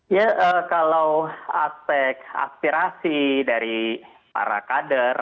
ya kalau aspek aspirasi dari para kader